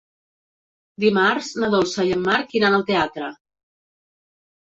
Dimarts na Dolça i en Marc iran al teatre.